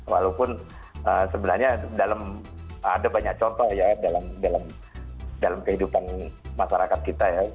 walaupun sebenarnya dalam ada banyak contoh ya dalam kehidupan masyarakat kita ya